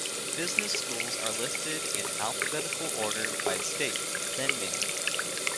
Business schools are listed in alphabetical order by state, then name.